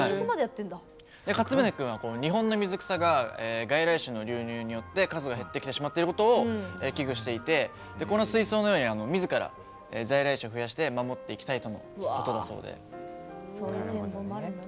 かつむね君、日本の水草が外来種の流入によって数が減ってしまっていることを危惧していて、この水槽のようにみずから在来種を増やして守っていきたいとのことだそうで。